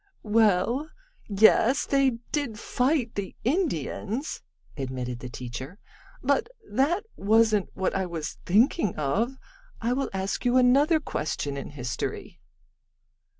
"Well, yes, they did fight the Indians," admitted the teacher, "but that wasn't what I was thinking of. I will ask you another question in history."